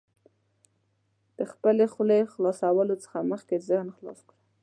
د خپلې خولې خلاصولو څخه مخکې ذهن خلاص کړه.